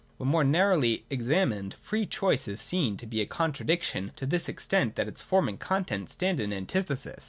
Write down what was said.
When more narrowly ex amined, free choice is seen to be a contradiction, to this extent that 'its form and content stand in antithesis.